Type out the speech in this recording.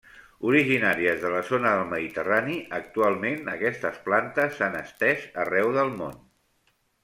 Originàries de la zona del mediterrani, actualment aquestes plantes s'han estès arreu del món.